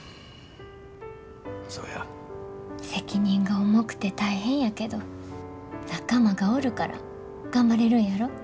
責任が重くて大変やけど仲間がおるから頑張れるんやろ。